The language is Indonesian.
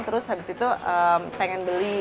terus habis itu pengen beli